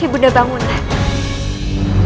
ibu nda bangunlah